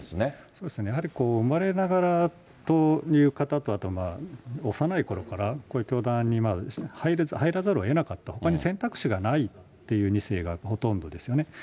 そうですね、やはり生まれながらという方と、あとまあ、幼いころから、こういう教団に入らざるをえなかった、ほかに選択肢がないっていう２世がほとんどですよね。